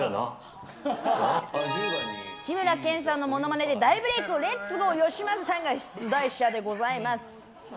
志村けんさんのモノマネで大ブレークレッツゴーよしまささんが出題者でございます。